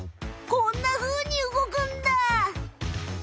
こんなふうに動くんだ！